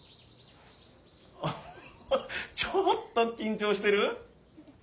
ちょっと緊張してる？